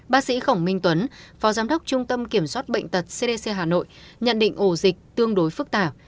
bác sĩ khổng minh tuấn phó giám đốc trung tâm kiểm soát bệnh tật cdc hà nội nhận định ổ dịch tương đối phức tạp